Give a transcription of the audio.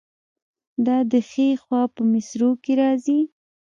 دا د ښي خوا په مصرو کې راځي.